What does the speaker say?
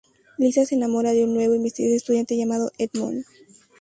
Lisa se enamora de un nuevo y misterioso estudiante llamado Edmund.